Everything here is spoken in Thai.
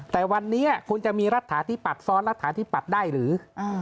แต่วันนี้คุณจะมีรัฐฐานที่ปัดซ้อนรัฐฐานที่ปัดได้หรือ